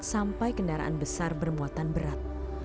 sampai kendaraan besar bermuatan berat